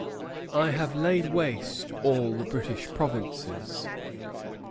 "I have laid waste all the British provinces."